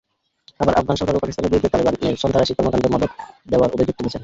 আবার আফগান সরকারও পাকিস্তানের বিরুদ্ধে তালেবানের সন্ত্রাসী কর্মকাণ্ডে মদদ দেওয়ার অভিযোগ তুলেছে।